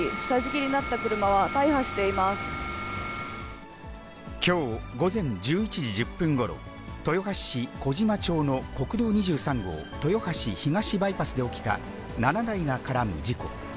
きょう午前１１時１０分ごろ、豊橋市小島町の国道２３号豊橋東バイパスで起きた、７台が絡む事故。